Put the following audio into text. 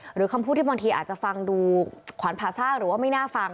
หรือคำพูดที่บางทีอาจจะฟังดูขวานผาซ่าหรือว่าไม่น่าฟัง